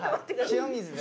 塩水で。